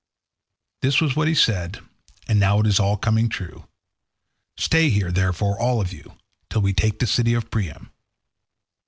This was what he said, and now it is all coming true. Stay here, therefore, all of you, till we take the city of Priam."